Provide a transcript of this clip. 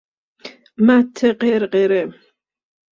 مته قرقره